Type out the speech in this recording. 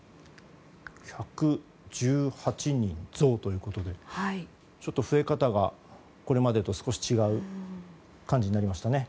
１１８人増ということでちょっと増え方がこれまでと少し違う感じになりましたね。